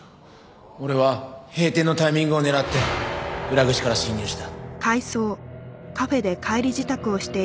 俺は閉店のタイミングを狙って裏口から侵入した。